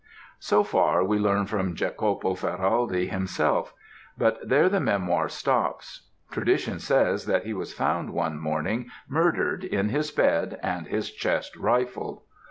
"So far we learn from Jocopo Ferraldi himself; but there the memoir stops. Tradition says that he was found one morning murdered in his bed and his chest rifled.